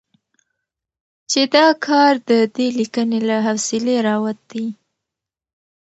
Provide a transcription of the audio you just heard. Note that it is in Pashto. چې دا کار د دې ليکنې له حوصلې راوتې